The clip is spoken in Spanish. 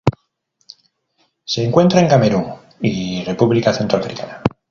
Se encuentra en Camerún y República Centroafricana.